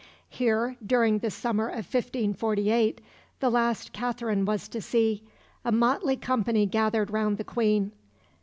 Here, during the summer of 1548 the last Katherine was to see a motley company gathered round the Queen.